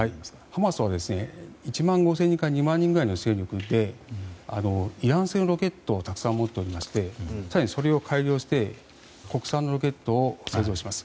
ハマスは１万５０００人から２万人くらいの勢力でイラン製のロケットをたくさん持っていまして更にそれを改良して国産ロケットを製造します。